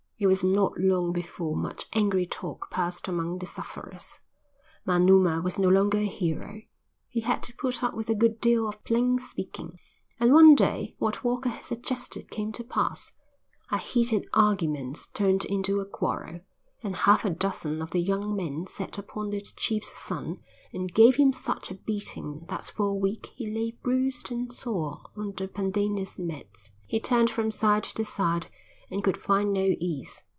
It was not long before much angry talk passed among the sufferers. Manuma was no longer a hero; he had to put up with a good deal of plain speaking, and one day what Walker had suggested came to pass: a heated argument turned into a quarrel and half a dozen of the young men set upon the chief's son and gave him such a beating that for a week he lay bruised and sore on the pandanus mats. He turned from side to side and could find no ease.